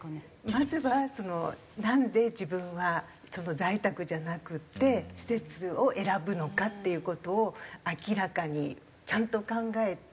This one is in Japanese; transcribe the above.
まずはなんで自分は在宅じゃなくて施設を選ぶのかっていう事を明らかにちゃんと考えて。